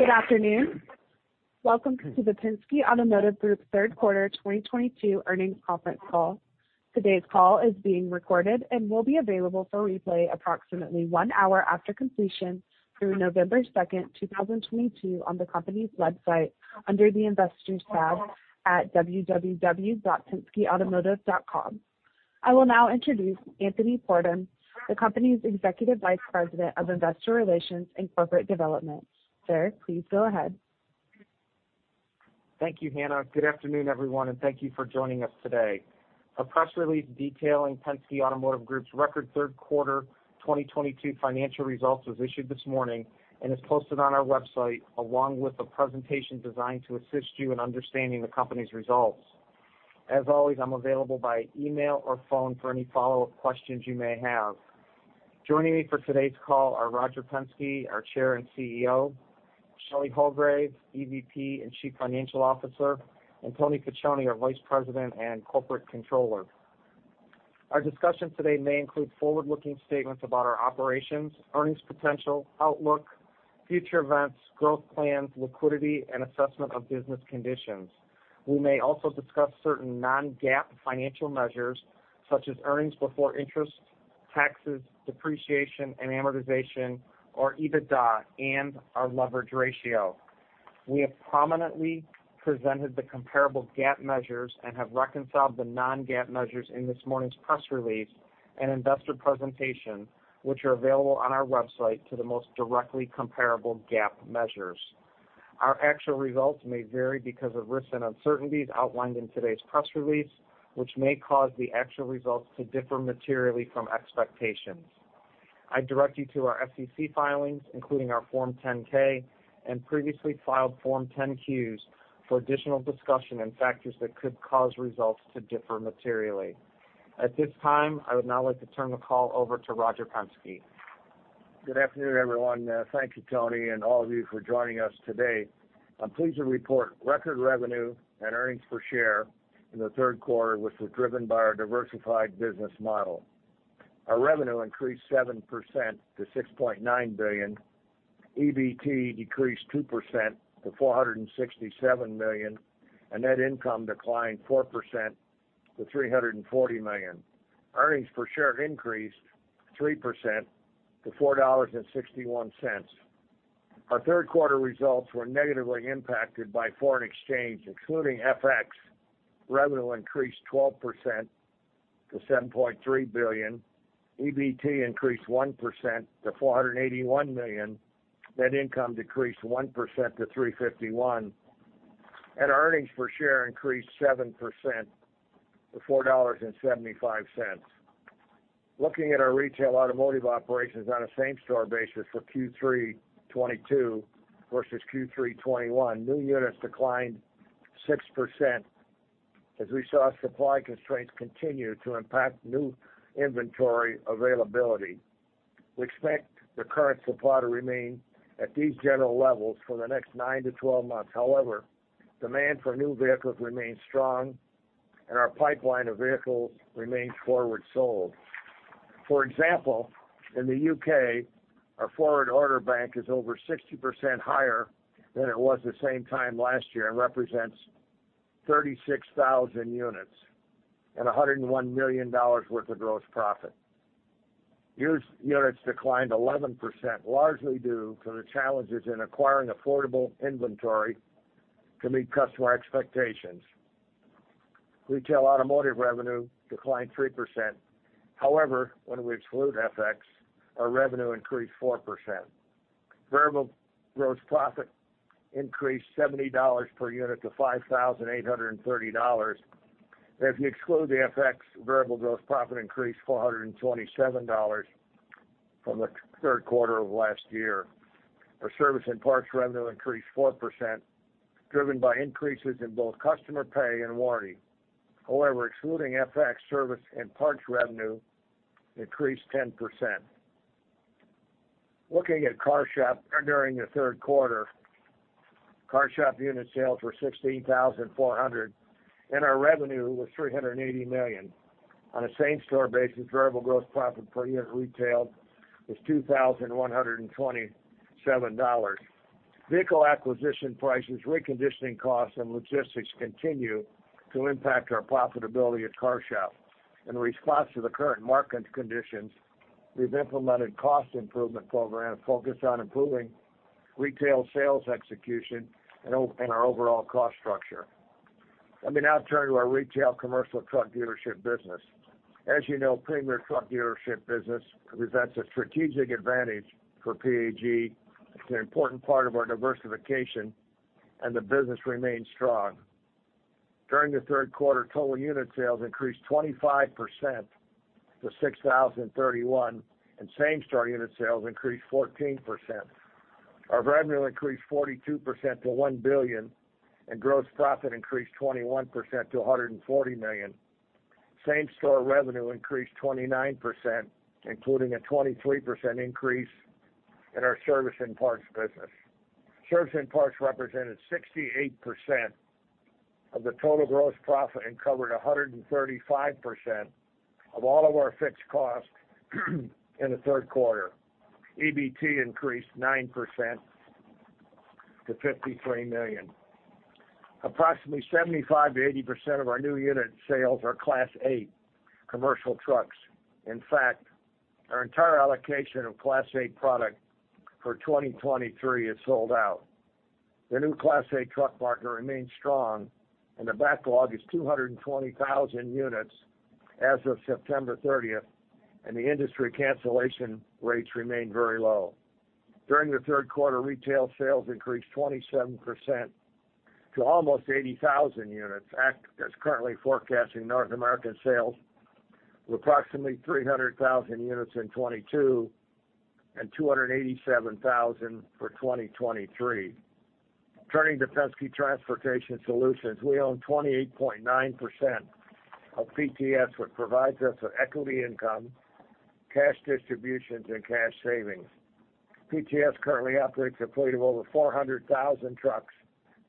Good afternoon. Welcome to the Penske Automotive Group third quarter 2022 earnings conference call. Today's call is being recorded and will be available for replay approximately one hour after completion through November 2, 2022, on the company's website under the Investors tab at www.penskeautomotive.com. I will now introduce Anthony Pordon, the company's Executive Vice President of Investor Relations and Corporate Development. Sir, please go ahead. Thank you, Hannah. Good afternoon, everyone, and thank you for joining us today. A press release detailing Penske Automotive Group's record third quarter 2022 financial results was issued this morning and is posted on our website, along with a presentation designed to assist you in understanding the company's results. As always, I'm available by email or phone for any follow-up questions you may have. Joining me for today's call are Roger Penske, our Chair and CEO; Shelley Hulgrave, EVP and Chief Financial Officer; and Tony Facione, our Vice President and Corporate Controller. Our discussion today may include forward-looking statements about our operations, earnings potential, outlook, future events, growth plans, liquidity, and assessment of business conditions. We may also discuss certain non-GAAP financial measures, such as earnings before interest, taxes, depreciation, and amortization, or EBITDA, and our leverage ratio. We have prominently presented the comparable GAAP measures and have reconciled the non-GAAP measures in this morning's press release and investor presentation, which are available on our website to the most directly comparable GAAP measures. Our actual results may vary because of risks and uncertainties outlined in today's press release, which may cause the actual results to differ materially from expectations. I direct you to our SEC filings, including our Form 10-K and previously filed Form 10-Q, for additional discussion and factors that could cause results to differ materially. At this time, I would now like to turn the call over to Roger Penske. Good afternoon, everyone. Thank you, Tony, and all of you for joining us today. I'm pleased to report record revenue and earnings per share in the third quarter, which was driven by our diversified business model. Our revenue increased 7% to $6.9 billion, EBT decreased 2% to $467 million, and net income declined 4% to $340 million. Earnings per share increased 3% to $4.61. Our third quarter results were negatively impacted by foreign exchange, including FX. Revenue increased 12% to $7.3 billion. EBT increased 1% to $481 million. Net income decreased 1% to $351 million. Earnings per share increased 7% to $4.75. Looking at our retail automotive operations on a same-store basis for Q3 2022 versus Q3 2021, new units declined 6% as we saw supply constraints continue to impact new inventory availability. We expect the current supply to remain at these general levels for the next nine to 12 months. However, demand for new vehicles remains strong, and our pipeline of vehicles remains forward sold. For example, in the U.K., our forward order bank is over 60% higher than it was the same time last year and represents 36,000 units and $101 million worth of gross profit. Used units declined 11%, largely due to the challenges in acquiring affordable inventory to meet customer expectations. Retail automotive revenue declined 3%. However, when we exclude FX, our revenue increased 4%. Variable gross profit increased $70 per unit to $5,830. If you exclude the FX, variable gross profit increased $427 from the third quarter of last year. Our service and parts revenue increased 4%, driven by increases in both customer pay and warranty. However, excluding FX service and parts revenue increased 10%. Looking at CarShop during the third quarter, CarShop unit sales were 16,400, and our revenue was $380 million. On a same-store basis, variable gross profit per unit retailed was $2,127. Vehicle acquisition prices, reconditioning costs, and logistics continue to impact our profitability at CarShop. In response to the current market conditions, we've implemented cost improvement programs focused on improving retail sales execution and our overall cost structure. Let me now turn to our retail commercial truck dealership business. As you know, Premier Truck Group business presents a strategic advantage for PAG. It's an important part of our diversification, and the business remains strong. During the third quarter, total unit sales increased 25% to 6,031, and same-store unit sales increased 14%. Our revenue increased 42% to $1 billion, and gross profit increased 21% to $140 million. Same-store revenue increased 29%, including a 23% increase in our service and parts business. Service and parts represented 68% of the total gross profit and covered 135% of all of our fixed costs in the third quarter. EBT increased 9% to $53 million. Approximately 75%-80% of our new unit sales are Class 8 commercial trucks. In fact, our entire allocation of Class 8 product for 2023 is sold out. The new Class 8 truck market remains strong, and the backlog is 220,000 units as of September 30th, and the industry cancellation rates remain very low. During the third quarter, retail sales increased 27% to almost 80,000 units. ACT is currently forecasting North American sales of approximately 300,000 units in 2022 and 287,000 for 2023. Turning to Penske Transportation Solutions. We own 28.9% of PTS, which provides us with equity income, cash distributions, and cash savings. PTS currently operates a fleet of over 400,000 trucks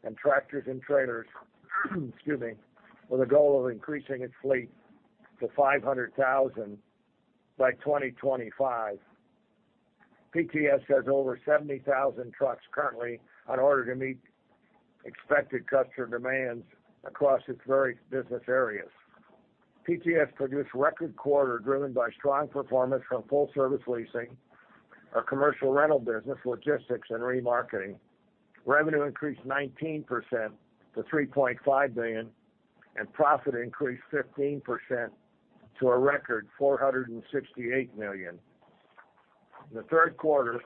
and tractors and trailers, excuse me, with a goal of increasing its fleet to 500,000 by 2025. PTS has over 70,000 trucks currently on order to meet expected customer demands across its various business areas. PTS produced record quarter driven by strong performance from full-service leasing, our commercial rental business, logistics, and remarketing. Revenue increased 19% to $3.5 billion, and profit increased 15% to a record $468 million. In the third quarter,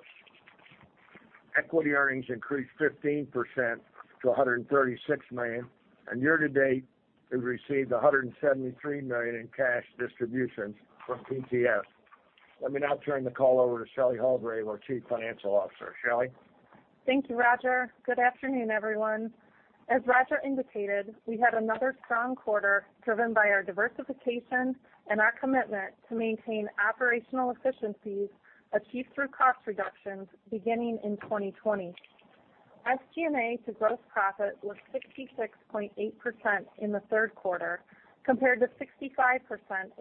equity earnings increased 15% to $136 million, and year to date, we've received $173 million in cash distributions from PTS. Let me now turn the call over to Shelley Hulgrave, our Chief Financial Officer. Shelley. Thank you, Roger. Good afternoon, everyone. As Roger indicated, we had another strong quarter driven by our diversification and our commitment to maintain operational efficiencies achieved through cost reductions beginning in 2020. SG&A to gross profit was 66.8% in the third quarter compared to 65%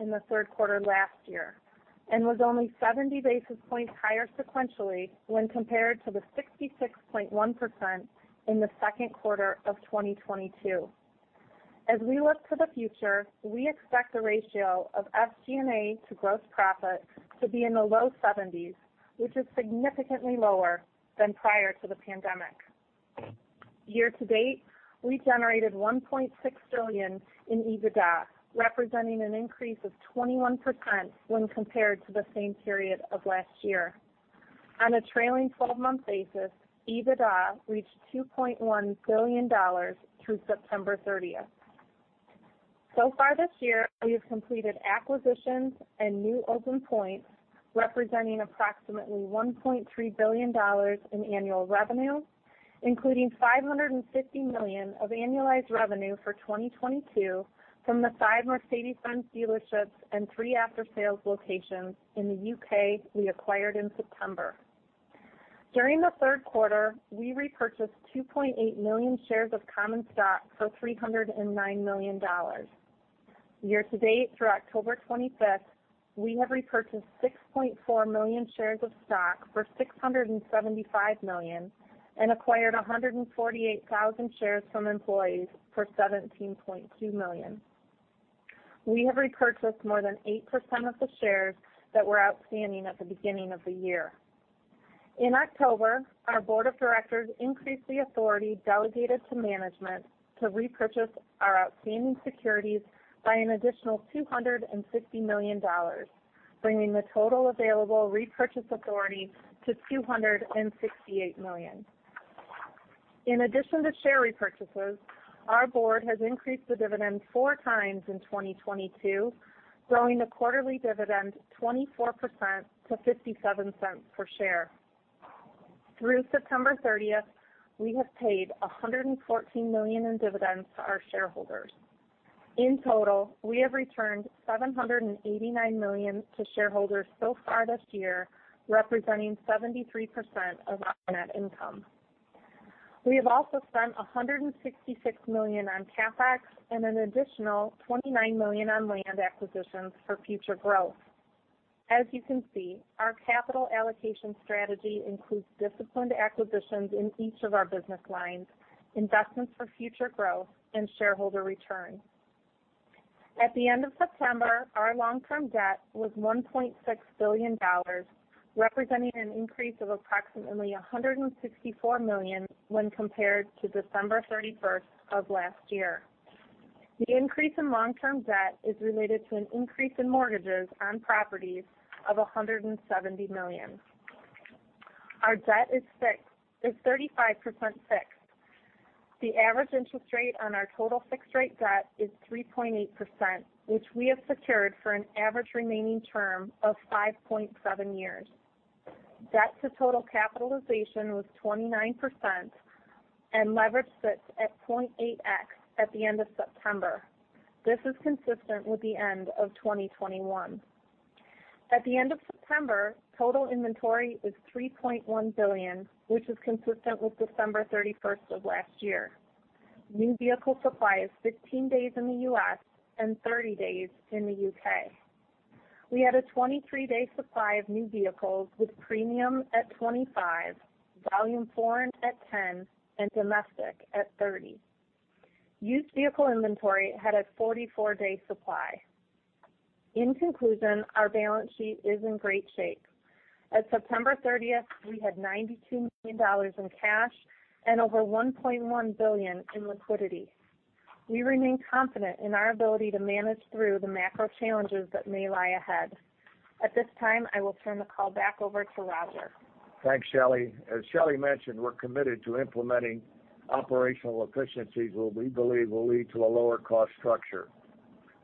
in the third quarter last year and was only 70 basis points higher sequentially when compared to the 66.1% in the second quarter of 2022. As we look to the future, we expect the ratio of SG&A to gross profit to be in the low 70s, which is significantly lower than prior to the pandemic. Year to date, we generated $1.6 billion in EBITDA, representing an increase of 21% when compared to the same period of last year. On a trailing 12-month basis, EBITDA reached $2.1 billion through September 30. So far this year, we have completed acquisitions and new open points representing approximately $1.3 billion in annual revenue, including $550 million of annualized revenue for 2022 from the five Mercedes-Benz dealerships and three after-sales locations in the U.K. we acquired in September. During the third quarter, we repurchased 2.8 million shares of common stock for $309 million. Year to date through October 25th, we have repurchased 6.4 million shares of stock for $675 million and acquired 148,000 shares from employees for $17.2 million. We have repurchased more than 8% of the shares that were outstanding at the beginning of the year. In October, our board of directors increased the authority delegated to management to repurchase our outstanding securities by an additional $260 million, bringing the total available repurchase authority to $268 million. In addition to share repurchases, our board has increased the dividend 4x in 2022, growing the quarterly dividend 24% to $0.57 per share. Through September 30th, we have paid $114 million in dividends to our shareholders. In total, we have returned $789 million to shareholders so far this year, representing 73% of our net income. We have also spent $166 million on CapEx and an additional $29 million on land acquisitions for future growth. As you can see, our capital allocation strategy includes disciplined acquisitions in each of our business lines, investments for future growth, and shareholder returns. At the end of September, our long-term debt was $1.6 billion, representing an increase of approximately $164 million when compared to December 31st of last year. The increase in long-term debt is related to an increase in mortgages on properties of $170 million. Our debt is 35% fixed. The average interest rate on our total fixed rate debt is 3.8%, which we have secured for an average remaining term of 5.7 years. Debt to total capitalization was 29%, and leverage sits at 0.8x at the end of September. This is consistent with the end of 2021. At the end of September, total inventory is $3.1 billion, which is consistent with December 31st of last year. New vehicle supply is 15 days in the U.S. and 30 days in the U.K. We had a 23-day supply of new vehicles with premium at 25, volume foreign at 10, and domestic at 30. Used vehicle inventory had a 44-day supply. In conclusion, our balance sheet is in great shape. At September 30th, we had $92 million in cash and over $1.1 billion in liquidity. We remain confident in our ability to manage through the macro challenges that may lie ahead. At this time, I will turn the call back over to Roger. Thanks, Shelley. As Shelley mentioned, we're committed to implementing operational efficiencies that we believe will lead to a lower cost structure.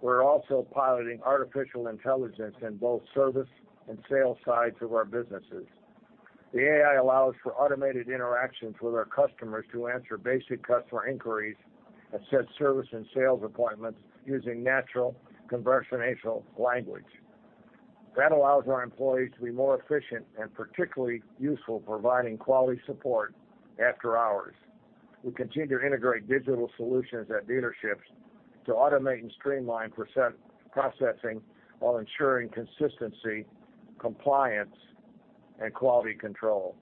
We're also piloting artificial intelligence in both service and sales sides of our businesses. The AI allows for automated interactions with our customers to answer basic customer inquiries and set service and sales appointments using natural conversational language. That allows our employees to be more efficient and particularly useful providing quality support after hours. We continue to integrate digital solutions at dealerships to automate and streamline processing while ensuring consistency, compliance, and quality control.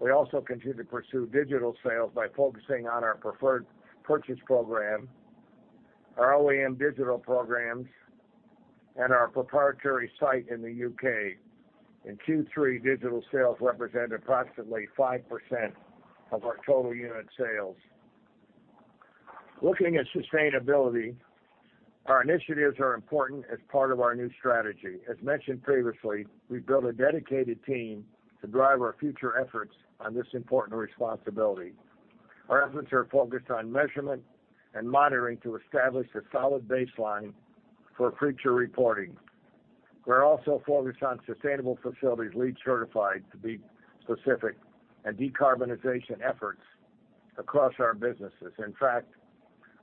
We also continue to pursue digital sales by focusing on our Preferred Purchase Program, our OEM digital programs, and our proprietary site in the U.K. In Q3, digital sales represented approximately 5% of our total unit sales. Looking at sustainability, our initiatives are important as part of our new strategy. As mentioned previously, we've built a dedicated team to drive our future efforts on this important responsibility. Our efforts are focused on measurement and monitoring to establish a solid baseline for future reporting. We're also focused on sustainable facilities, LEED certified to be specific, and decarbonization efforts across our businesses. In fact,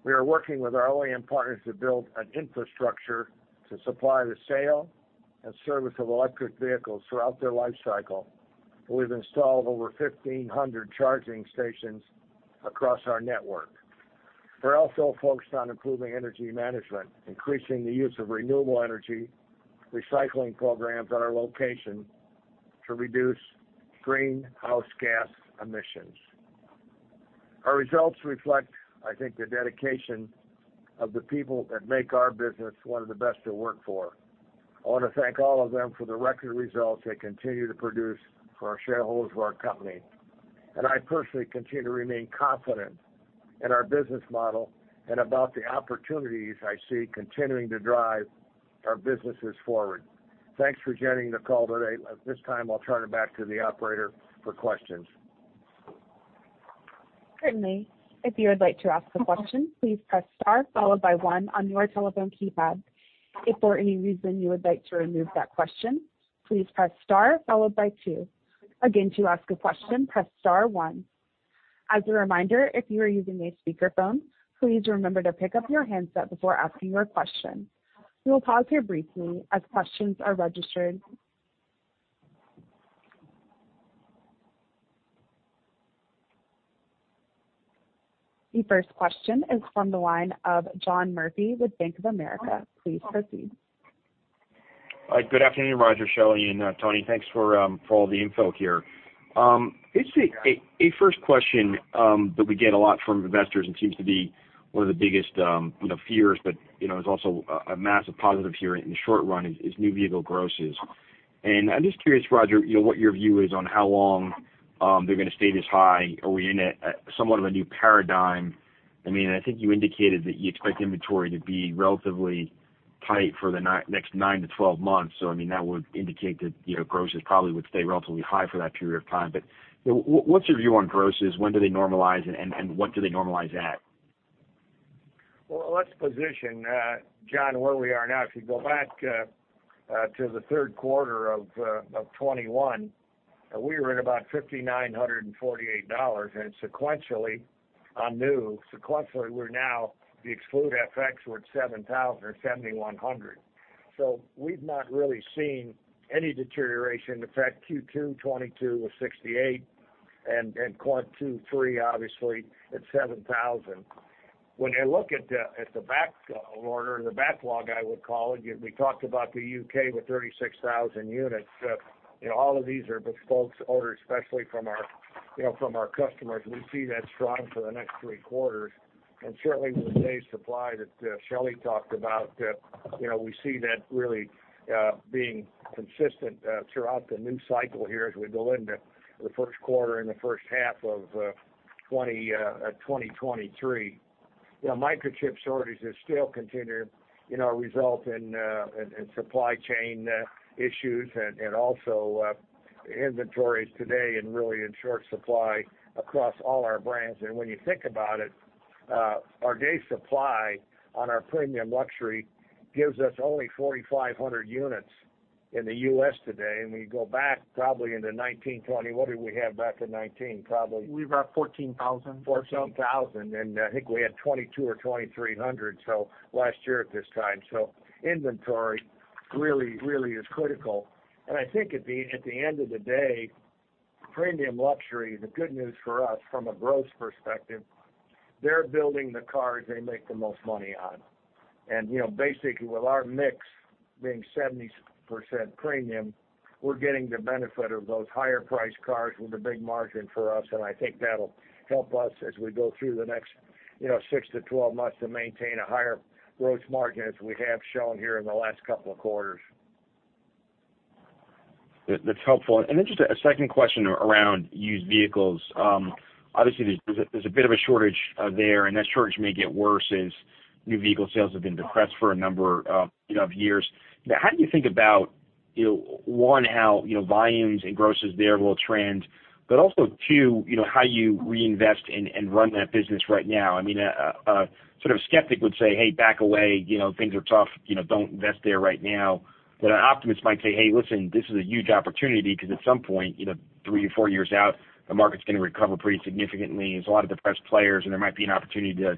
we are working with our OEM partners to build an infrastructure to supply the sale and service of electric vehicles throughout their life cycle. We've installed over 1,500 charging stations across our network. We're also focused on improving energy management, increasing the use of renewable energy, recycling programs at our location to reduce greenhouse gas emissions. Our results reflect, I think, the dedication of the people that make our business one of the best to work for. I want to thank all of them for the record results they continue to produce for our shareholders, for our company. I personally continue to remain confident in our business model and about the opportunities I see continuing to drive our businesses forward. Thanks for joining the call today. At this time, I'll turn it back to the operator for questions. Certainly. If you would like to ask a question, please press star followed by one on your telephone keypad. If for any reason you would like to remove that question, please press star followed by two. Again, to ask a question, press star one. As a reminder, if you are using a speakerphone, please remember to pick up your handset before asking your question. We will pause here briefly as questions are registered. The first question is from the line of John Murphy with Bank of America. Please proceed. All right. Good afternoon, Roger, Shelley, and Tony. Thanks for all the info here. It's a first question that we get a lot from investors and seems to be one of the biggest, you know, fears, but you know is also a massive positive here in the short run, is new vehicle grosses. I'm just curious, Roger, you know, what your view is on how long they're going to stay this high. Are we in somewhat of a new paradigm? I mean, I think you indicated that you expect inventory to be relatively tight for the next nine to 12 months. I mean, that would indicate that, you know, grosses probably would stay relatively high for that period of time. What's your view on grosses? When do they normalize and what do they normalize at? Well, let's position, John, where we are now. If you go back to the third quarter of 2021, we were at about $5,948. Sequentially on new, we're now, to exclude FX, at $7,000 or $7,100. We've not really seen any deterioration. In fact, Q2 2022 was $6,800, and Q2, Q3 obviously at $7,000. When you look at the back order, the backlog I would call it, we talked about the U.K. with 36,000 units. You know, all of these are bespoke orders, especially from our, you know, customers. We see that strong for the next three quarters. Certainly, with the day supply that Shelley talked about, you know, we see that really being consistent throughout the new cycle here as we go into the first quarter and the first half of 2023. You know, microchip shortages still continue, you know, result in supply chain issues and also inventories today and really in short supply across all our brands. When you think about it, our day supply on our premium luxury gives us only 4,500 units in the U.S. today. We go back probably into 2019. What did we have back in 2019? Probably... We were at 14,000 or so. 14,000, and I think we had 2,200 or 2,300, so last year at this time. Inventory really, really is critical. I think at the, at the end of the day, premium luxury, the good news for us from a gross perspective, they're building the cars they make the most money on. You know, basically, with our mix being 70% premium, we're getting the benefit of those higher-priced cars with a big margin for us, and I think that'll help us as we go through the next, you know, six to 12 months to maintain a higher gross margin as we have shown here in the last couple of quarters. That's helpful. Just a second question around used vehicles. Obviously, there's a bit of a shortage there, and that shortage may get worse as new vehicle sales have been depressed for a number of years. Now, how do you think about one, how volumes and grosses there will trend, but also two, how you reinvest and run that business right now? I mean, a sort of skeptic would say, "Hey, back away, you know, things are tough, you know, don't invest there right now." An optimist might say, "Hey, listen, this is a huge opportunity because at some point, you know, three to four years out, the market's going to recover pretty significantly. There's a lot of depressed players, and there might be an opportunity to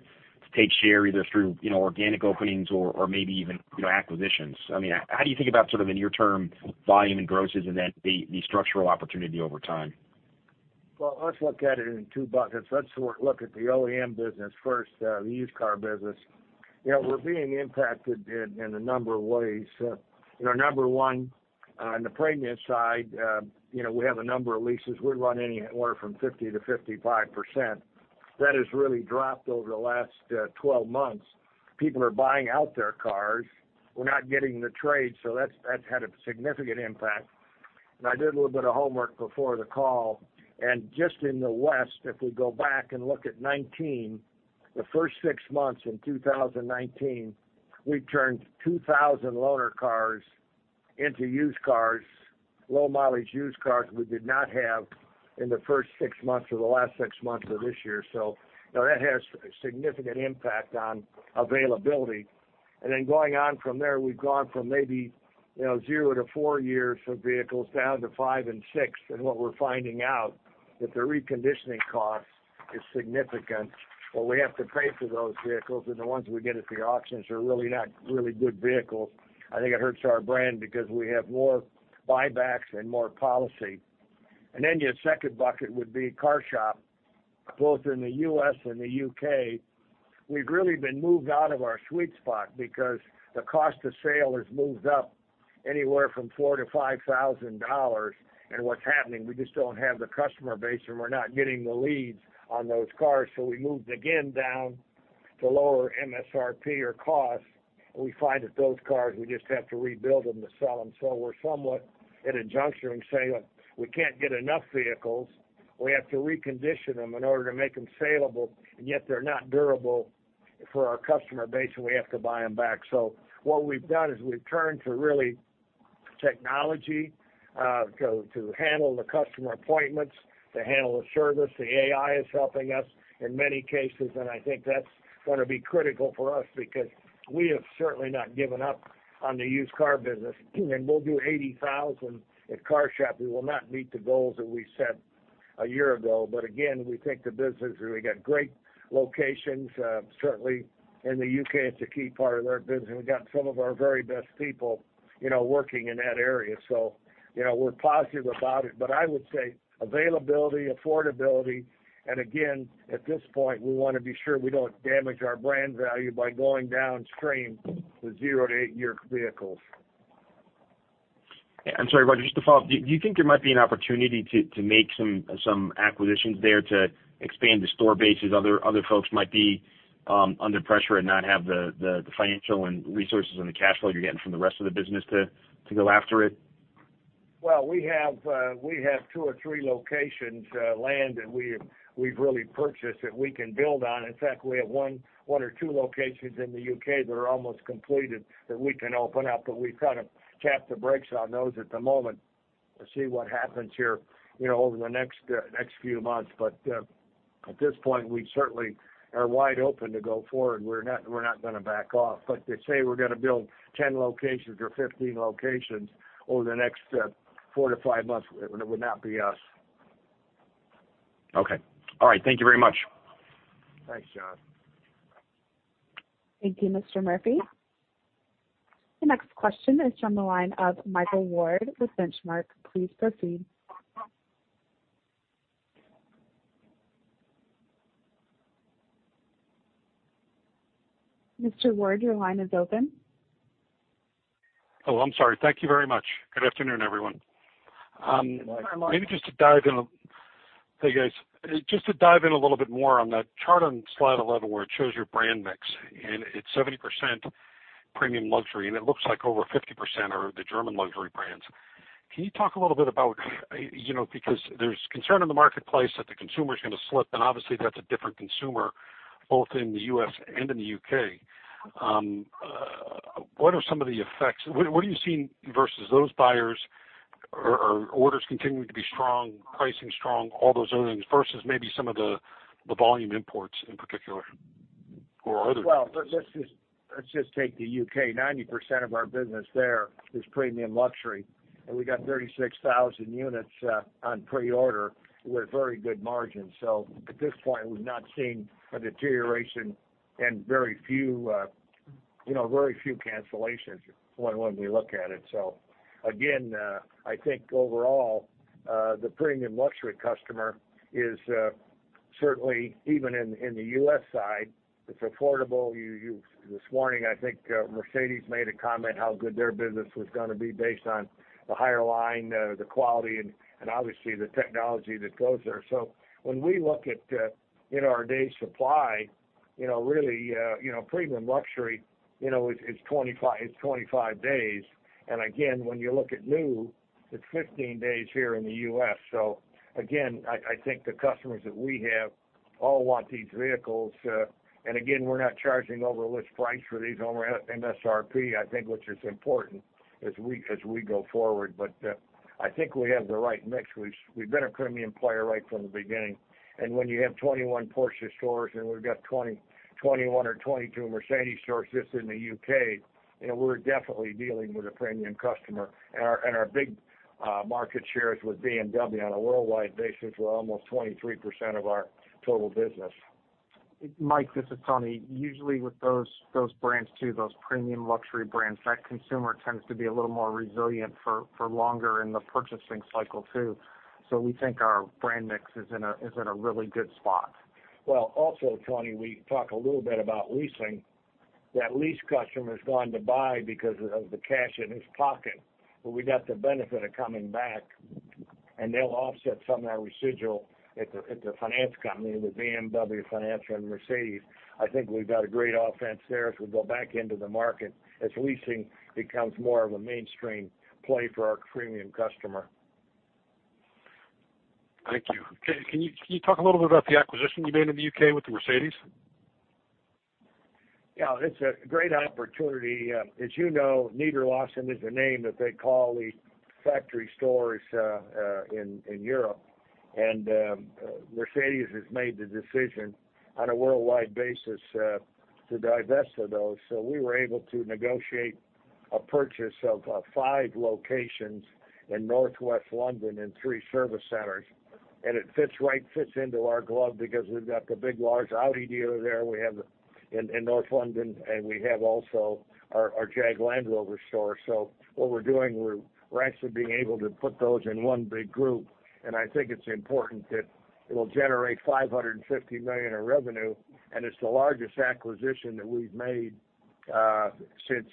take share either through, you know, organic openings or maybe even, you know, acquisitions. I mean, how do you think about sort of near-term volume and grosses and then the structural opportunity over time? Well, let's look at it in two buckets. Let's look at the OEM business first, the used car business. You know, we're being impacted in a number of ways. You know, number one, on the premium side, you know, we have a number of leases, we run anywhere from 50%-55%. That has really dropped over the last 12 months. People are buying out their cars. We're not getting the trade, so that's had a significant impact. I did a little bit of homework before the call, and just in the West, if we go back and look at 2019, the first six months in 2019, we turned 2,000 loaner cars into used cars, low mileage used cars we did not have in the first six months or the last six months of this year. You know, that has a significant impact on availability. Going on from there, we've gone from maybe, you know, zero to four years for vehicles down to five and six. What we're finding out that the reconditioning cost is significant. What we have to pay for those vehicles and the ones we get at the auctions are really not good vehicles. I think it hurts our brand because we have more buybacks and more policy. Your second bucket would be CarShop, both in the U.S. and the U.K. We've really been moved out of our sweet spot because the cost of sale has moved up anywhere from $4,000 to $5,000. What's happening, we just don't have the customer base, and we're not getting the leads on those cars, so we moved again down to lower MSRP or cost. We find that those cars, we just have to rebuild them to sell them. We're somewhat at a juncture and saying, we can't get enough vehicles. We have to recondition them in order to make them salable, and yet they're not durable for our customer base, and we have to buy them back. What we've done is we've turned to really technology, to handle the customer appointments, to handle the service. The AI is helping us in many cases, and I think that's gonna be critical for us because we have certainly not given up on the used car business. We'll do 80,000 at CarShop. We will not meet the goals that we set a year ago. Again, we think the business, we got great locations, certainly in the U.K., it's a key part of their business. We've got some of our very best people, you know, working in that area. You know, we're positive about it. I would say availability, affordability, and again, at this point, we want to be sure we don't damage our brand value by going downstream to zero to eight-year vehicles. I'm sorry, Roger, just to follow up, do you think there might be an opportunity to make some acquisitions there to expand the store base as other folks might be under pressure and not have the financial and resources and the cash flow you're getting from the rest of the business to go after it? Well, we have two or three locations, land that we've really purchased that we can build on. In fact, we have one or two locations in the U.K. that are almost completed that we can open up, but we've kind of tapped the brakes on those at the moment to see what happens here, you know, over the next few months. At this point, we certainly are wide open to go forward. We're not gonna back off. To say we're gonna build 10 locations or 15 locations over the next four to five months, it would not be us. Okay. All right. Thank you very much. Thanks, John. Thank you, Mr. Murphy. The next question is from the line of Michael Ward with Benchmark. Please proceed. Mr. Ward, your line is open. Oh, I'm sorry. Thank you very much. Good afternoon, everyone. Good morning. Hey, guys. Just to dive in a little bit more on that chart on slide 11 where it shows your brand mix, and it's 70% premium luxury, and it looks like over 50% are the German luxury brands. Can you talk a little bit about, you know, because there's concern in the marketplace that the consumer is going to slip, and obviously, that's a different consumer, both in the U.S. and in the U.K. What are some of the effects? What are you seeing versus those buyers? Are orders continuing to be strong, pricing strong, all those other things, versus maybe some of the volume imports in particular or other. Well, let's just take the U.K. 90% of our business there is premium luxury, and we got 36,000 units on pre-order with very good margins. So at this point, we've not seen a deterioration and very few, you know, very few cancellations when we look at it. So again, I think overall, the premium luxury customer is certainly even in the U.S. side, it's affordable. This morning, I think Mercedes-Benz made a comment how good their business was gonna be based on the higher line, the quality and obviously the technology that goes there. So when we look at our day supply, you know, really, you know, premium luxury, you know, is it's 25 days. Again, when you look at new, it's 15 days here in the U.S. I think the customers that we have all want these vehicles. We're not charging over list price for these, over MSRP, I think, which is important as we go forward. I think we have the right mix. We've been a premium player right from the beginning. When you have 21 Porsche stores, and we've got 21 or 22 Mercedes-Benz stores just in the U.K., we're definitely dealing with a premium customer. Our big market shares with BMW on a worldwide basis were almost 23% of our total business. Mike, this is Tony. Usually, with those brands too, those premium luxury brands, that consumer tends to be a little more resilient for longer in the purchasing cycle too. We think our brand mix is in a really good spot. Well, also, Tony, we talked a little bit about leasing. That lease customer is going to buy because of the cash in his pocket. We got the benefit of coming back, and they'll offset some of our residual at the finance company, the BMW Financial and Mercedes. I think we've got a great offense there as we go back into the market, as leasing becomes more of a mainstream play for our premium customer. Thank you. Can you talk a little bit about the acquisition you made in the U.K. with the Mercedes-Benz? Yeah. It's a great opportunity. As you know, Niederlassung is a name that they call the factory stores in Europe. Mercedes has made the decision on a worldwide basis to divest of those. We were able to negotiate a purchase of five locations in Northwest London and three service centers. It fits like a glove because we've got the big, large Audi dealer there in North London, and we have also our Jaguar Land Rover store. What we're doing, we're actually being able to put those in one big group, and I think it's important that it will generate $550 million in revenue, and it's the largest acquisition that we've made since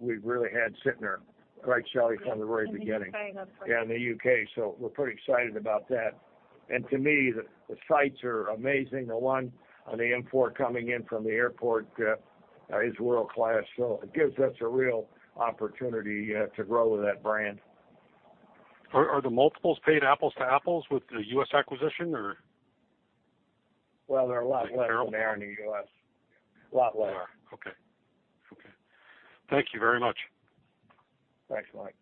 we've really had Sytner. Right, Shelley, from the very beginning? Yes, in the U.K. Yeah, in the U.K. We're pretty excited about that. To me, the sites are amazing. The one on the M4 coming in from the airport is world-class. It gives us a real opportunity to grow that brand. Are the multiples paid apples to apples with the U.S. acquisition or? Well, they're a lot less than they are in the U.S. A lot less. Okay. Okay. Thank you very much. Thanks, Mike.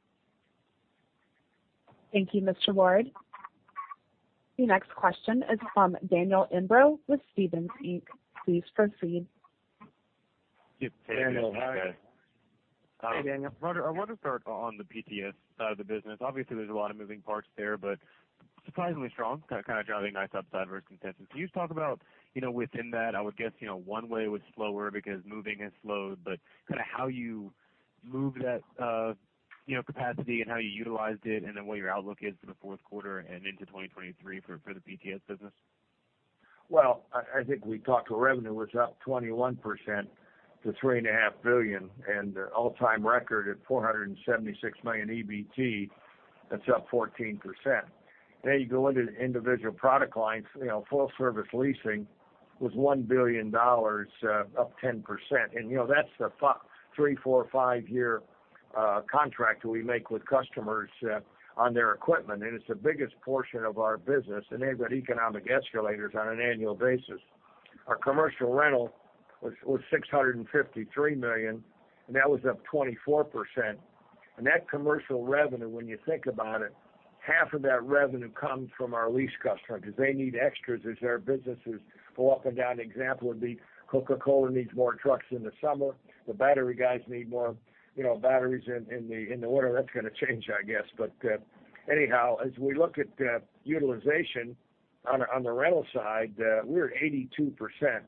Thank you, Mr. Ward. The next question is from Daniel Imbro with Stephens Inc. Please proceed. Daniel, hi. Hey, Daniel. I wonder if I could on the PTS the business, obviously, there's a lot of moving parts there, but surprisingly strong, kind of driving nice upside versus consensus. Can you just talk about, you know, within that, I would guess, you know, one way was slower because moving has slowed. Kinda how you moved that, you know, capacity and how you utilized it, and then what your outlook is for the fourth quarter and into 2023 for the PTS business? I think we talked our revenue was up 21% to $3.5 billion, and all-time record at $476 million EBT, that's up 14%. Now you go into the individual product lines, you know, full-service leasing was $1 billion, up 10%. You know, that's the three, four, five-year contract we make with customers on their equipment. It's the biggest portion of our business, and they've got economic escalators on an annual basis. Our commercial rental was $653 million, and that was up 24%. That commercial revenue, when you think about it, 1/2 of that revenue comes from our lease customer because they need extras as their businesses go up and down. Example would be Coca-Cola needs more trucks in the summer. The battery guys need more, you know, batteries in the winter. That's gonna change, I guess. Anyhow, as we look at utilization on the rental side, we're at 82%.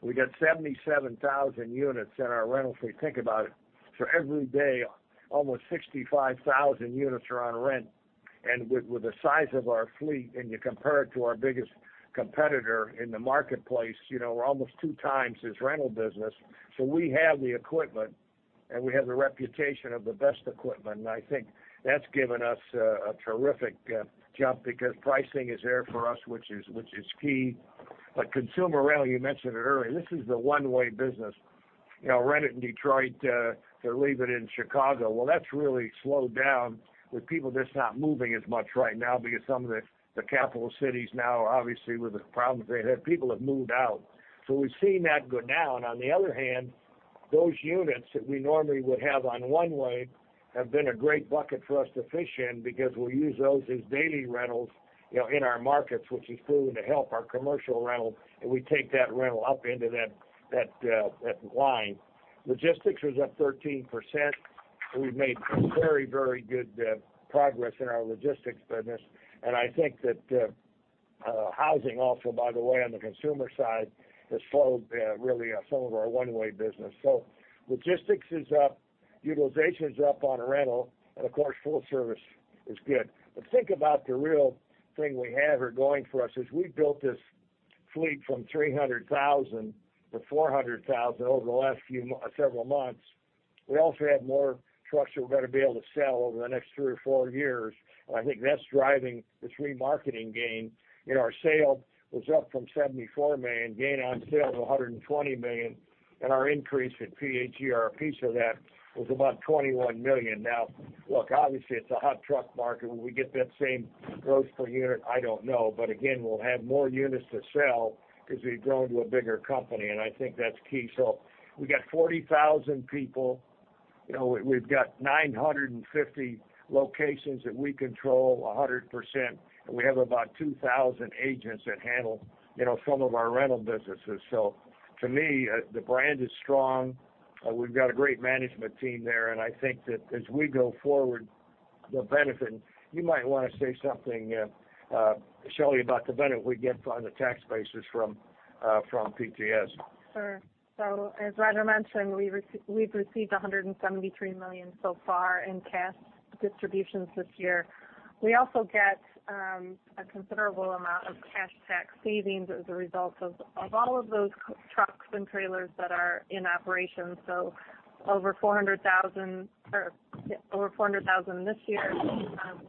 We got 77,000 units in our rentals. If you think about it, every day, almost 65,000 units are on rent. With the size of our fleet, and you compare it to our biggest competitor in the marketplace, you know, we're almost 2x the rental business. We have the equipment, and we have the reputation of the best equipment. I think that's given us a terrific jump because pricing is there for us, which is key. Consumer rental, you mentioned it earlier, this is the one-way business. You know, rent it in Detroit to leave it in Chicago. Well, that's really slowed down with people just not moving as much right now because some of the capital cities now, obviously, with the problems they had, people have moved out. We've seen that go down. On the other hand, those units that we normally would have on one way have been a great bucket for us to fish in because we'll use those as daily rentals, you know, in our markets, which is proving to help our commercial rental, and we take that rental up into that line. Logistics was up 13%. We've made some very good progress in our logistics business. I think that housing also, by the way, on the consumer side, has flowed really some of our one-way business. Logistics is up, utilization is up on rental, and of course, full service is good. Think about the real thing we have here going for us is we built this fleet from 300,000 to 400,000 over the last several months. We also have more trucks that we're going to be able to sell over the next three or four years. I think that's driving this remarketing gain. Our gain on sale was up from $74 million to $120 million, and our increase in PHGR, our piece of that, was about $21 million. Now, look, obviously, it's a hot truck market. Will we get that same gross per unit? I don't know. Again, we'll have more units to sell because we've grown to a bigger company, and I think that's key. We got 40,000 people. You know, we've got 950 locations that we control 100%. We have about 2,000 agents that handle, you know, some of our rental businesses. To me, the brand is strong. We've got a great management team there, and I think that as we go forward, we'll benefit. You might want to say something, Shelley, about the benefit we get on the tax basis from PTS. Sure. As Roger mentioned, we've received $173 million so far in cash distributions this year. We also get a considerable amount of cash tax savings as a result of all of those trucks and trailers that are in operation. Over $400,000 this year,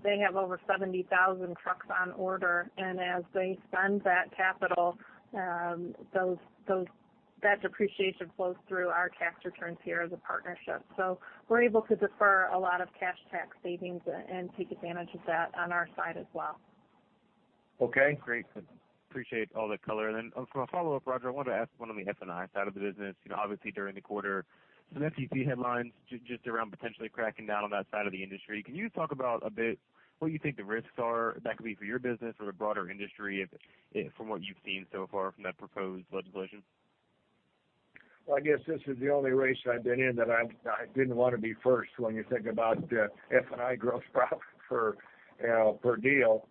they have over 70,000 trucks on order. As they spend that capital, that depreciation flows through our tax returns here as a partnership. We're able to defer a lot of cash tax savings and take advantage of that on our side as well. Okay. Great. Appreciate all the color. For a follow-up, Roger, I wanted to ask one on the F&I side of the business. You know, obviously, during the quarter, some FTC headlines just around potentially cracking down on that side of the industry. Can you talk about a bit what you think the risks are that could be for your business or the broader industry from what you've seen so far from that proposed legislation? Well, I guess this is the only race I've been in that I didn't want to be first when you think about F&I gross profit per deal.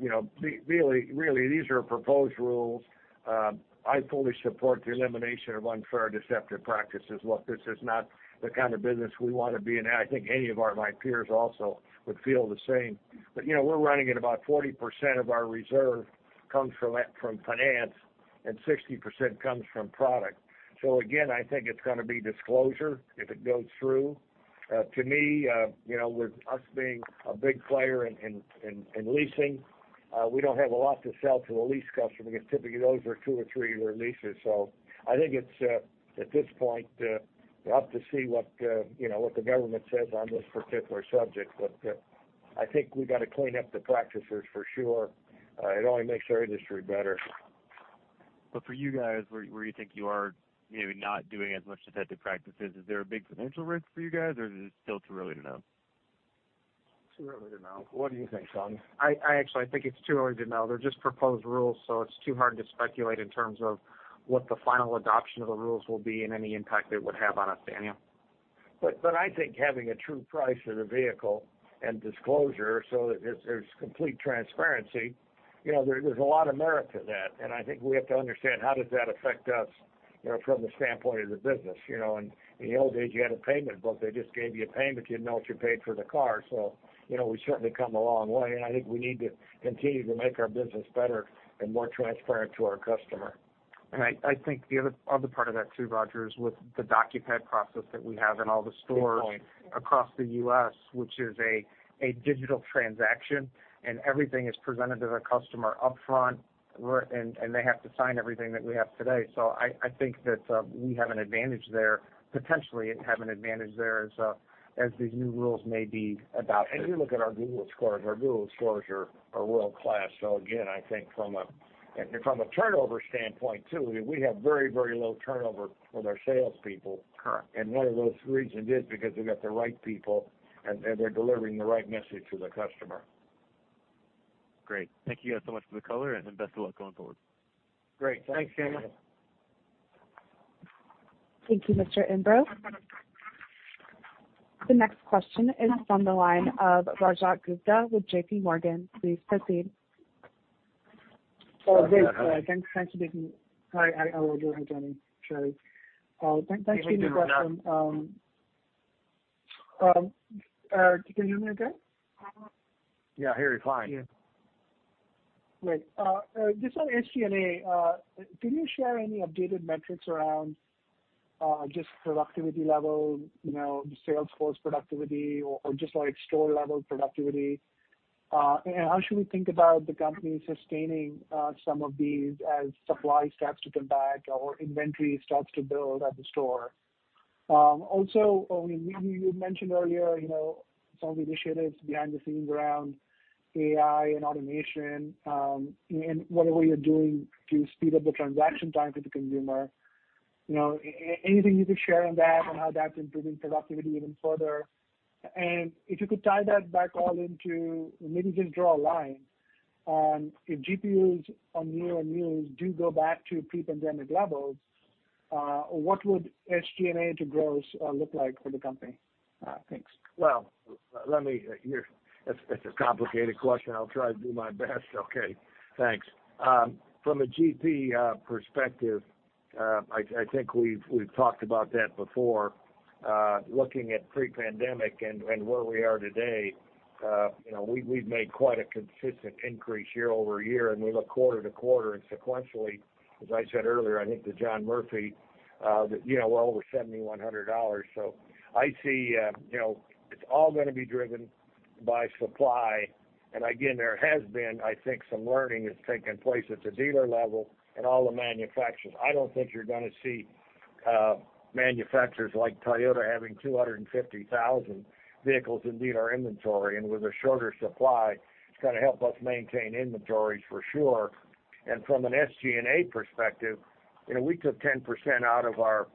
You know, really, these are proposed rules. I fully support the elimination of unfair deceptive practices. Look, this is not the kind of business we want to be in. I think any of our, my peers also would feel the same. You know, we're running at about 40% of our reserve comes from finance and 60% comes from product. Again, I think it's going to be disclosure if it goes through. To me, you know, with us being a big player in leasing, we don't have a lot to sell to a lease customer because typically, those are two or three-year leases. I think it's at this point we'll have to see what you know what the government says on this particular subject. I think we got to clean up the practices for sure. It only makes our industry better. For you guys, where you think you are maybe not doing as much deceptive practices, is there a big financial risk for you guys, or is it still too early to know? Too early to know. What do you think, Tony? I actually think it's too early to know. They're just proposed rules, so it's too hard to speculate in terms of what the final adoption of the rules will be and any impact it would have on us, Daniel. I think having a true price of the vehicle and disclosure so that there's complete transparency, you know, there's a lot of merit to that. I think we have to understand how does that affect us, you know, from the standpoint of the business. You know, in the old days, you had a payment book, they just gave you a payment, you didn't know what you paid for the car. you know, we certainly come a long way, and I think we need to continue to make our business better and more transparent to our customer. I think the other part of that too, Roger, is with the docuPAD process that we have in all the stores, Good point. Across the U.S., which is a digital transaction, and everything is presented to the customer upfront, and they have to sign everything that we have today. I think that we have an advantage there, potentially have an advantage there as these new rules may be adopted. You look at our Google scores, our Google scores are world-class. Again, I think from a turnover standpoint, too, we have very, very low turnover with our salespeople. Correct. One of those reasons is because they've got the right people and they're delivering the right message to the customer. Great. Thank you guys so much for the color and best of luck going forward. Great. Thanks, Daniel. Thank you, Mr. Imbro. The next question is on the line of Rajat Gupta with JPMorgan. Please proceed. Oh, great. Thanks. Hi, how are you doing, Roger and Tony, and Shelley Thank you for the question. Can you hear me okay? Yeah, I hear you fine. Yeah. Great. Just on SG&A, can you share any updated metrics around just productivity level, you know, sales force productivity or just like store level productivity? How should we think about the company sustaining some of these as supply starts to come back or inventory starts to build at the store? Also, I mean, you mentioned earlier, you know, some of the initiatives behind the scenes around AI and automation, and whatever you're doing to speed up the transaction time for the consumer. You know, anything you could share on that and how that's improving productivity even further. If you could tie that back all into, maybe just draw a line on if GPUs on new and used do go back to pre-pandemic levels, what would SG&A to gross look like for the company? Thanks. Well, it's a complicated question. I'll try to do my best. Okay, thanks. From a GP perspective, I think we've talked about that before, looking at pre-pandemic and where we are today. You know, we've made quite a consistent increase year-over-year, and we look quarter to quarter and sequentially, as I said earlier, I think to John Murphy, that you know, we're over $7,100. I see, you know, it's all gonna be driven by supply. Again, there has been, I think, some learning that's taken place at the dealer level and all the manufacturers. I don't think you're gonna see manufacturers like Toyota having 250,000 vehicles in dealer inventory. With a shorter supply, it's gonna help us maintain inventories for sure. From an SG&A perspective, you know, we took 10% out of our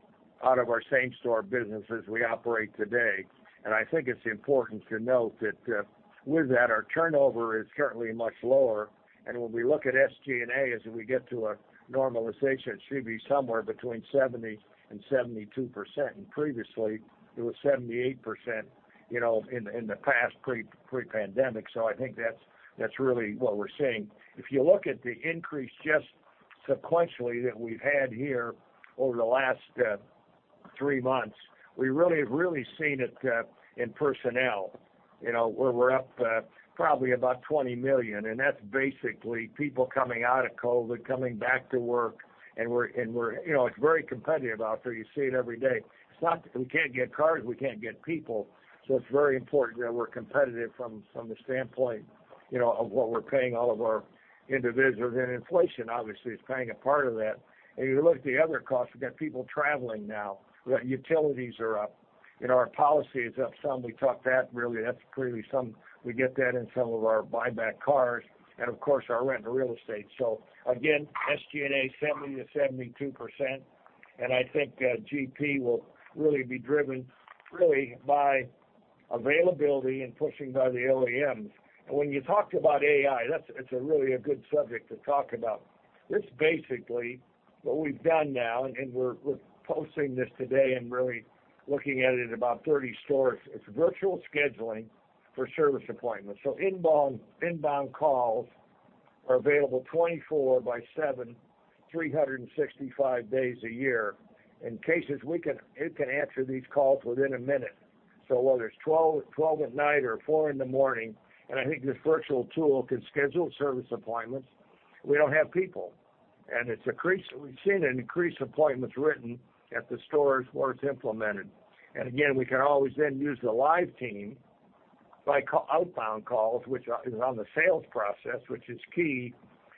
same-store business as we operate today. I think it's important to note that, with that, our turnover is certainly much lower. When we look at SG&A, as we get to a normalization, it should be somewhere between 70%-72%. Previously, it was 78%, you know, in the past pre-pandemic. I think that's really what we're seeing. If you look at the increase just sequentially that we've had here over the last three months, we really have seen it in personnel, you know, where we're up probably about $20 million. That's basically people coming out of COVID, coming back to work, and we're. You know, it's very competitive out there. You see it every day. It's not that we can't get cars, we can't get people. It's very important that we're competitive from the standpoint, you know, of what we're paying all of our individuals. Inflation obviously is playing a part of that. You look at the other costs, we've got people traveling now. Utilities are up. You know, our policy is up some. We took that really. That's clearly some. We get that in some of our buyback cars and, of course, our rent and real estate. Again, SG&A, 70%-72%. I think GP will really be driven by availability and pushing by the OEMs. When you talk about AI, that's a really good subject to talk about. It's basically what we've done now, and we're posting this today and really looking at it in about 30 stores. It's virtual scheduling for service appointments. Inbound calls are available 24/7, 365 days a year. It can answer these calls within a minute. Whether it's 12:00 A.M. night or 4:00 A.M., I think this virtual tool can schedule service appointments, we don't have people. We've seen an increase in appointments written at the stores where it's implemented. Again, we can always then use the live team for outbound calls, which is on the sales process, which is key,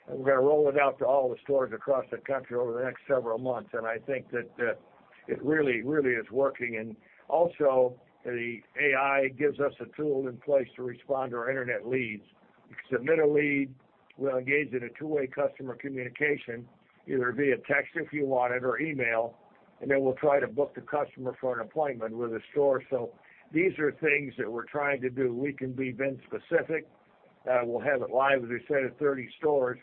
and we're gonna roll it out to all the stores across the country over the next several months. I think that it really is working. Also, the AI gives us a tool in place to respond to our internet leads. You submit a lead, we'll engage in a two-way customer communication, either via text if you want it or email, and then we'll try to book the customer for an appointment with a store. These are things that we're trying to do. We can be VIN specific. We'll have it live, as I said, at 30 stores.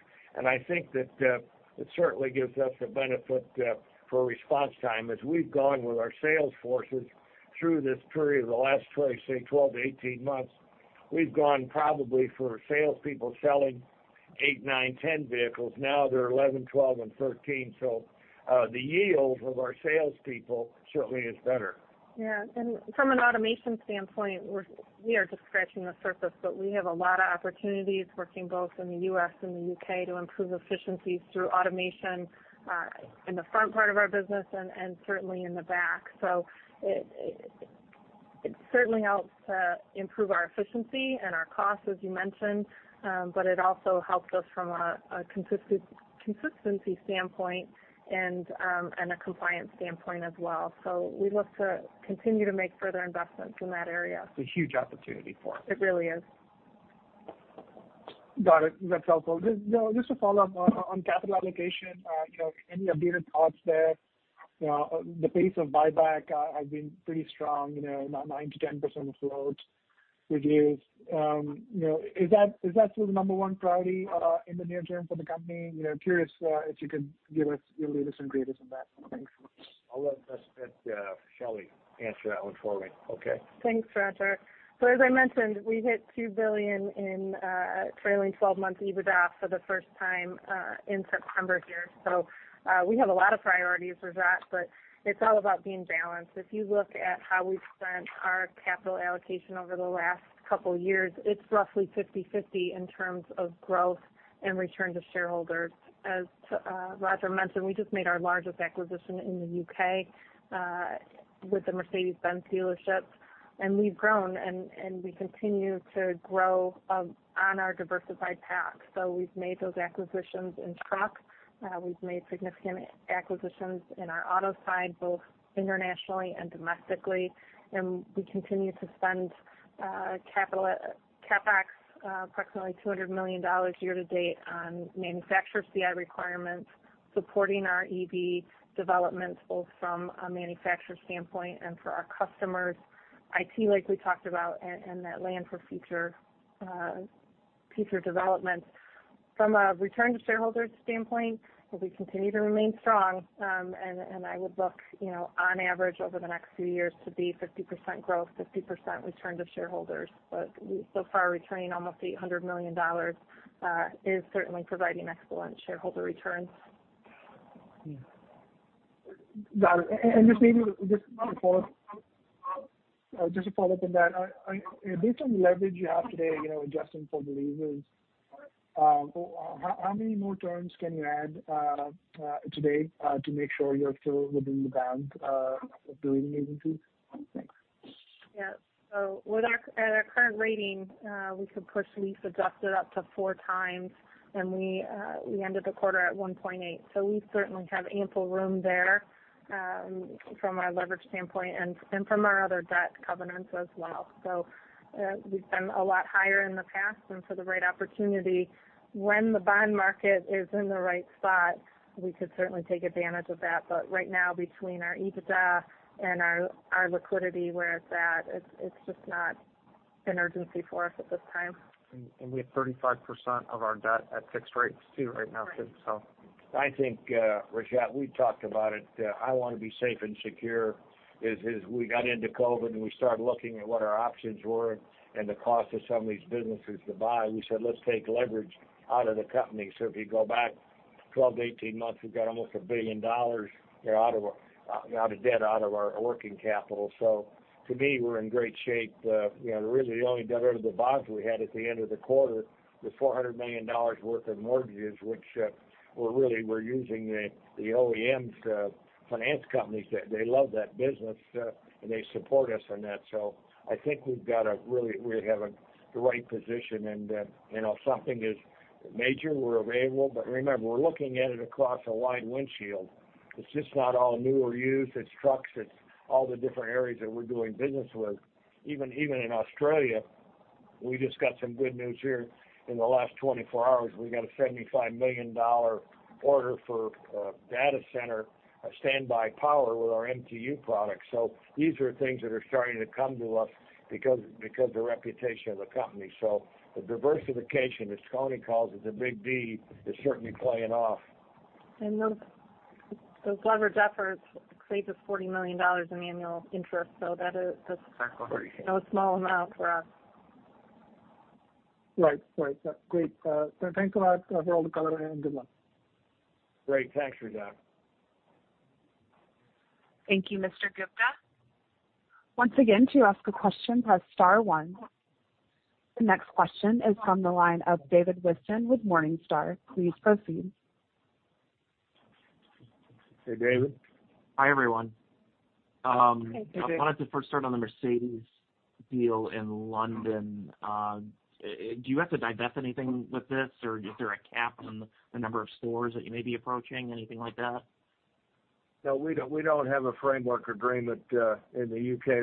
I think that it certainly gives us a benefit for response time. As we've gone with our sales forces through this period of the last, shall I say, 12-18 months, we've gone probably for salespeople selling eight, nine, 10 vehicles. Now they're 11, 12 and 13. The yield of our salespeople certainly is better. Yeah. From an automation standpoint, we are just scratching the surface. We have a lot of opportunities working both in the U.S. and the U.K. to improve efficiencies through automation in the front part of our business and certainly in the back. It certainly helps improve our efficiency and our costs, as you mentioned. It also helps us from a consistency standpoint and a compliance standpoint as well. We look to continue to make further investments in that area. It's a huge opportunity for us. It really is. Got it. That's helpful. Just, you know, just to follow up on capital allocation, you know, any updated thoughts there? You know, the pace of buyback has been pretty strong, you know, 9%-10% of float reduced. You know, is that sort of the number one priority in the near term for the company? You know, curious if you could give us your latest and greatest on that. Thanks. I'll let Shelley answer that one for me. Okay. Thanks, Roger. As I mentioned, we hit $2 billion in trailing 12-month EBITDA for the first time in September here. We have a lot of priorities for that, but it's all about being balanced. If you look at how we've spent our capital allocation over the last couple years, it's roughly 50/50 in terms of growth and return to shareholders. As Rajat mentioned, we just made our largest acquisition in the U.K. with the Mercedes-Benz dealerships, and we've grown and we continue to grow on our diversified path. We've made those acquisitions in truck. We've made significant acquisitions in our auto side, both internationally and domestically. We continue to spend capital, CapEx, approximately $200 million year to date on manufacturer CI requirements, supporting our EV development, both from a manufacturer standpoint and for our customers, IT like we talked about, and that land for future developments. From a return to shareholders standpoint, we continue to remain strong, and I would look, you know, on average over the next few years to be 50% growth, 50% return to shareholders. We so far returning almost $800 million is certainly providing excellent shareholder returns. Got it. Just to follow up on that, based on the leverage you have today, you know, adjusting for the leases, how many more turns can you add today to make sure you're still within the band of the rating agencies? Thanks. Yeah. At our current rating, we could push lease adjusted up to 4x, and we ended the quarter at 1.8x. We certainly have ample room there from our leverage standpoint and from our other debt covenants as well. We've been a lot higher in the past, and the right opportunity when the bond market is in the right spot, we could certainly take advantage of that. But right now between our EBITDA and our liquidity where it's at, it's just not an urgency for us at this time. We have 35% of our debt at fixed rates too right now, so. Right. I think, Rajat, we talked about it. I wanna be safe and secure. As we got into COVID, and we started looking at what our options were and the cost of some of these businesses to buy, we said, "Let's take leverage out of the company." If you go back 12-18 months, we've got almost $1 billion out of debt, out of our working capital. To me, we're in great shape. Really, the only debt other than the bonds we had at the end of the quarter was $400 million worth of mortgages, which we're really using the OEMs finance companies. They love that business, and they support us on that. I think we've got the right position and if something is major, we're available. Remember, we're looking at it across a wide windshield. It's just not all new or used, it's trucks, it's all the different areas that we're doing business with. Even in Australia, we just got some good news here in the last 24 hours. We got a $75 million order for data center standby power with our MTU products. These are things that are starting to come to us because the reputation of the company. The diversification, as Tony calls it, the big D, is certainly playing off. Those leverage efforts saves us $40 million in annual interest. That is... That's right. No small amount for us. Right. That's great. Thanks a lot for all the color and good luck. Great. Thanks, Rajat. Thank you, Mr. Gupta. Once again, to ask a question, press star one. The next question is from the line of David Whiston with Morningstar. Please proceed. Hey, David. Hi, everyone. Hey, David. I wanted to first start on the Mercedes-Benz deal in London. Do you have to divest anything with this, or is there a cap on the number of stores that you may be approaching? Anything like that? No, we don't have a framework agreement in the U.K.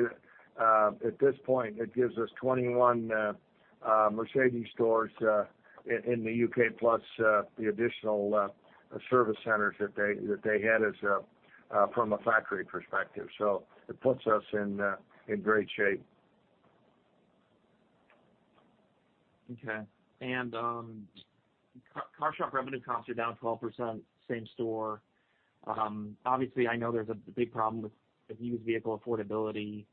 At this point, it gives us 21 Mercedes-Benz stores in the U.K. plus the additional service centers that they had from a factory perspective. It puts us in great shape. Okay. CarShop revenue comps are down 12% same store. Obviously, I know there's a big problem with used vehicle affordability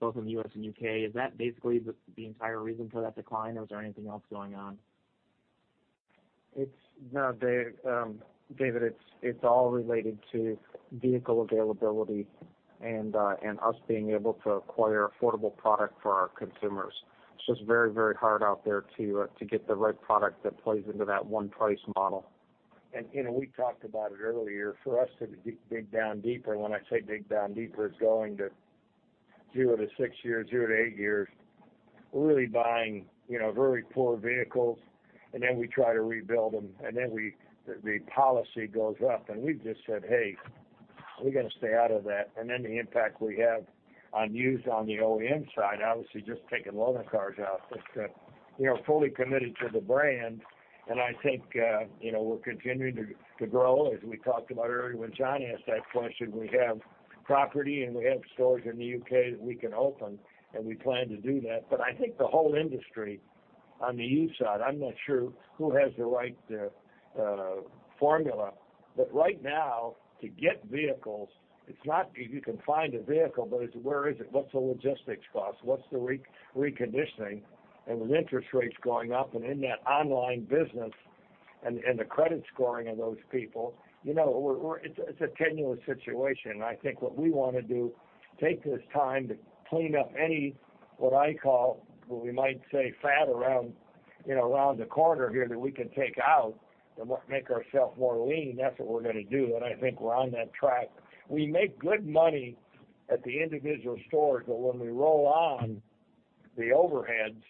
both in the U.S. and U.K. Is that basically the entire reason for that decline, or is there anything else going on? No, David, it's all related to vehicle availability and us being able to acquire affordable product for our consumers. It's just very, very hard out there to get the right product that plays into that one price model. You know, we talked about it earlier. For us to dig down deeper, when I say dig down deeper, it's going to zero to six years, zero to eight years, really buying, you know, very poor vehicles, and then we try to rebuild them, and then the policy goes up. We just said, "Hey, we're gonna stay out of that." The impact we have on used on the OEM side, obviously, just taking loaner cars out. You know, fully committed to the brand, and I think, you know, we're continuing to grow. As we talked about earlier when John asked that question, we have property, and we have stores in the U.K. that we can open, and we plan to do that. I think the whole industry on the used side, I'm not sure who has the right formula. Right now to get vehicles, it's not if you can find a vehicle, but it's where is it? What's the logistics cost? What's the reconditioning? And with interest rates going up and in that online business and the credit scoring of those people, you know, it's a tenuous situation. I think what we wanna do, take this time to clean up any, what I call, what we might say fat around, you know, around the corner here that we can take out and make ourselves more lean. That's what we're gonna do, and I think we're on that track. We make good money at the individual stores, but when we roll up the overheads,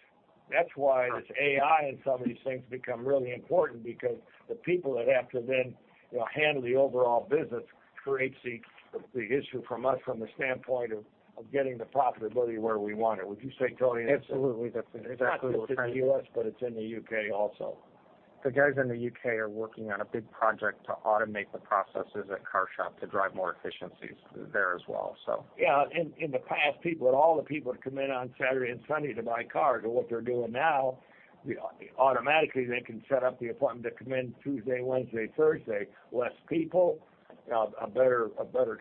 that's why this AI and some of these things become really important because the people that have to then, you know, handle the overall business creates the issue for us from the standpoint of getting the profitability where we want it. Would you say, Tony? Absolutely. That's what we're trying to do. It's not just in the U.S., but it's in the U.K. also. The guys in the U.K. are working on a big project to automate the processes at CarShop to drive more efficiencies there as well. Yeah. In the past, all the people would come in on Saturday and Sunday to buy cars. But what they're doing now, automatically, they can set up the appointment to come in Tuesday, Wednesday, Thursday, less people, a better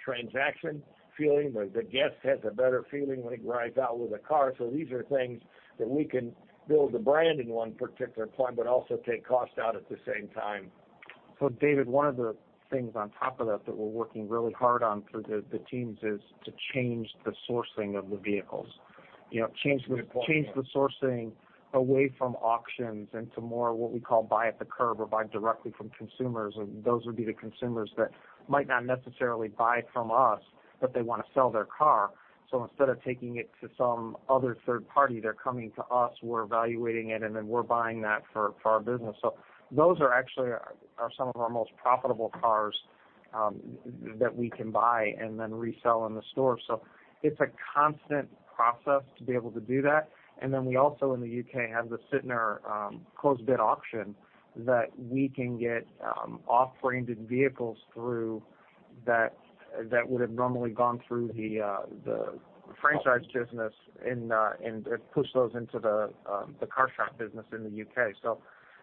transaction feeling. The guest has a better feeling when he drives out with a car. These are things that we can build the brand in one particular point, but also take cost out at the same time. David, one of the things on top of that we're working really hard on through the teams is to change the sourcing of the vehicles. You know, change the– Good point, yeah. Change the sourcing away from auctions into more what we call buy at the curb or buy directly from consumers. Those would be the consumers that might not necessarily buy from us, but they wanna sell their car. Instead of taking it to some other third party, they're coming to us, we're evaluating it, and then we're buying that for our business. Those are actually are some of our most profitable cars that we can buy and then resell in the store. It's a constant process to be able to do that. We also in the U.K. have the Sytner closed bid auction that we can get off-branded vehicles through that that would've normally gone through the franchise business and push those into the CarShop business in the U.K.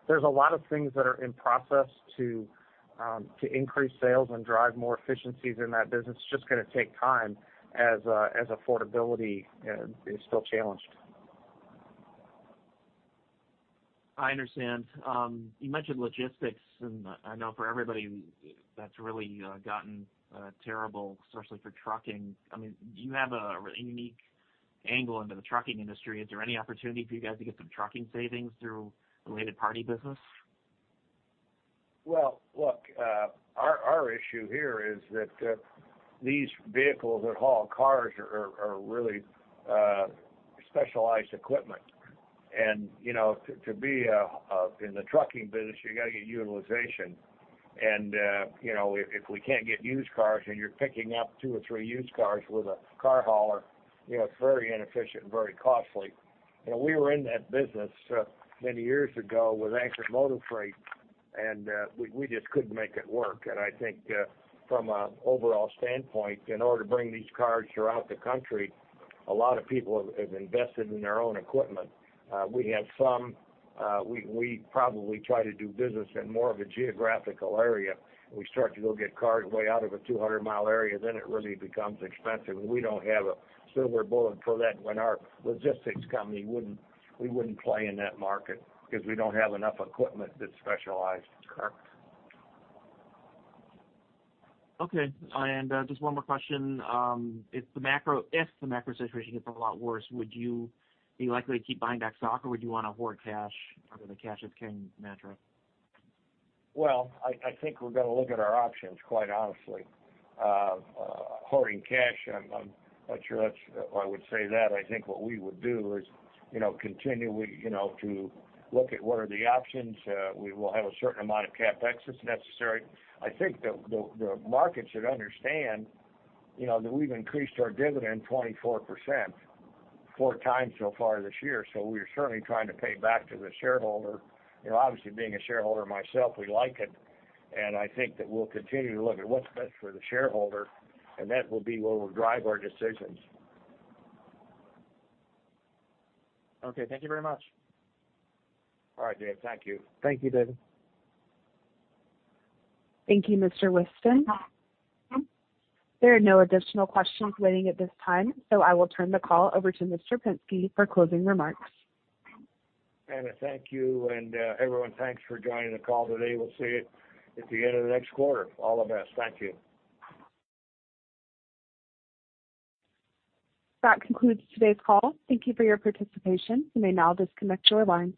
There's a lot of things that are in process to increase sales and drive more efficiencies in that business. It's just gonna take time as affordability is still challenged. I understand. You mentioned logistics, and I know for everybody that's really gotten terrible, especially for trucking. I mean, you have a really unique angle into the trucking industry. Is there any opportunity for you guys to get some trucking savings through related party business? Well, look, our issue here is that these vehicles that haul cars are really specialized equipment. You know, to be in the trucking business, you gotta get utilization. You know, if we can't get used cars and you're picking up two or three used cars with a car hauler, you know, it's very inefficient and very costly. You know, we were in that business many years ago with Anchor Motor Freight, and we just couldn't make it work. I think, from an overall standpoint, in order to bring these cars throughout the country, a lot of people have invested in their own equipment. We have some, we probably try to do business in more of a geographical area. We start to go get cars way out of a 200-mile area, then it really becomes expensive, and we don't have a silver bullet for that. We wouldn't play in that market because we don't have enough equipment that's specialized. Correct. Okay. Just one more question. If the macro situation gets a lot worse, would you be likely to keep buying back stock, or would you wanna hoard cash under the cash is king mantra? I think we're gonna look at our options, quite honestly. Hoarding cash, I'm not sure that's, I would say that. I think what we would do is, you know, continue to look at what are the options. We will have a certain amount of CapEx that's necessary. I think the market should understand, you know, that we've increased our dividend 24%, 4x so far this year, so we are certainly trying to pay back to the shareholder. You know, obviously, being a shareholder myself, we like it, and I think that we'll continue to look at what's best for the shareholder, and that will be what will drive our decisions. Okay. Thank you very much. All right, Dave. Thank you. Thank you, David. Thank you, Mr. Whiston. There are no additional questions waiting at this time, so I will turn the call over to Mr. Penske for closing remarks. Anna, thank you, and everyone, thanks for joining the call today. We'll see you at the end of the next quarter. All the best. Thank you. That concludes today's call. Thank you for your participation. You may now disconnect your lines.